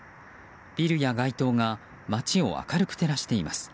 ビルや街灯が街を明るく照らしています。